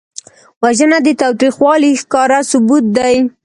وژنه د تاوتریخوالي ښکاره ثبوت دی